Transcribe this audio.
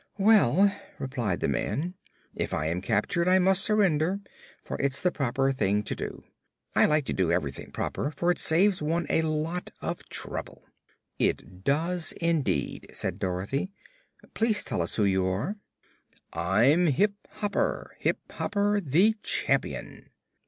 "Well," replied the man, "if I'm captured I must surrender, for it's the proper thing to do. I like to do everything proper, for it saves one a lot of trouble." "It does, indeed," said Dorothy. "Please tell us who you are." "I'm Hip Hopper Hip Hopper, the Champion."